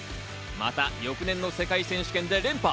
また翌年の世界選手権で連覇。